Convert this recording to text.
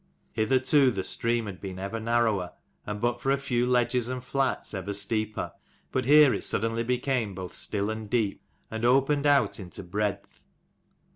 Hitherto the stream had been ever narrower, and, but for a few ledges and flats, ever steeper: but here it suddenly became both still and deep, and opened out into breadth.